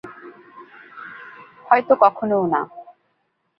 হয়তো কখনো না।